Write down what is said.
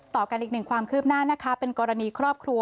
ต่อกันอีกหนึ่งความคืบหน้านะคะเป็นกรณีครอบครัว